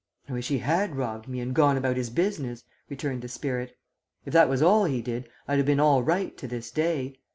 "I wish he had robbed me and gone about his business," returned the spirit. "If that was all he did, I'd have been all right to this day.